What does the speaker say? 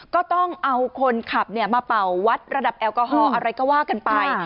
ก็ต้องเอาคนขับมาเป่าวัดระดับแอลกอฮอลอะไรก็ว่ากันไป